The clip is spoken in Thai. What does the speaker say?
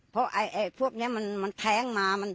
เพราะพวกนี้มันแท้งมา